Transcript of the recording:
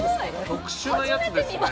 特殊なやつですね。